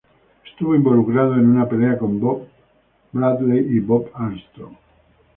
Estuvo involucrado en una pelea con Boo Bradley y Bob Armstrong.